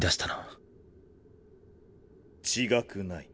違くない。